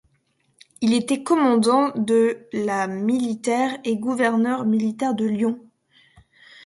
Il était commandant de la militaire et gouverneur militaire de Lyon.